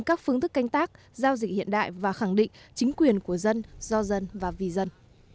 các kênh tác giao dịch hiện đại và khẳng định chính quyền của dân do dân và vì dân